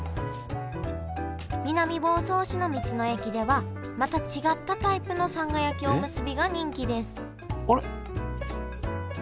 南房総市の道の駅ではまた違ったタイプのさんが焼きおむすびが人気ですあれ？